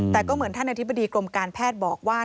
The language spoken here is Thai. แต่ก็เหมือนท่านอธิบดีกรมการแพทย์บอกว่า